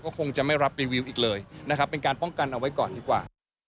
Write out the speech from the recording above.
ก็คงจะไม่รับรีวิวอีกเลยนะครับเป็นการป้องกันเอาไว้ก่อนดีกว่า